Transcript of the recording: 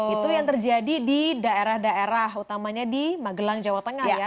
itu yang terjadi di daerah daerah utamanya di magelang jawa tengah ya